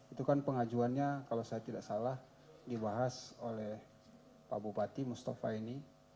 itu kan pengajuannya kalau saya tidak salah dibahas oleh pak bupati mustafa ini